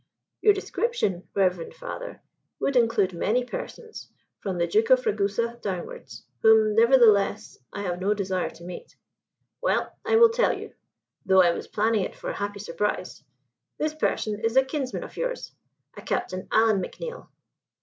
"Your description, reverend father, would include many persons from the Duke of Ragusa downwards whom, nevertheless, I have no desire to meet." "Well, I will tell you, though I was planning it for a happy surprise. This person is a kinsman of yours a Captain Alan McNeill."